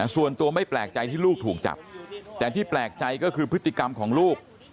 ส่วนตัวไม่แปลกใจที่ลูกถูกจับแต่ที่แปลกใจก็คือพฤติกรรมของลูก